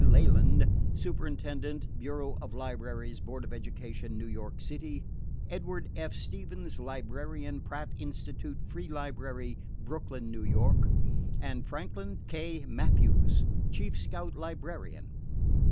Leland, Superintendent, Bureau of Libraries, Board of Education, New York City; Edward F. Stevens, Librarian, Pratt Institute Free Library, Brooklyn, N.Y., and Franklin K. Mathiews, Chief Scout Librarian.